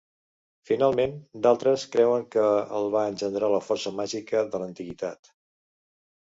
Finalment, d'altres creuen que el va engendrar la força màgica de l'antiguitat.